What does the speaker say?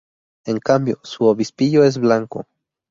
En cambio su obispillo es blanco.